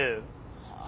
はあ？